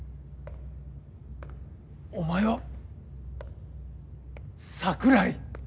お前は桜井！？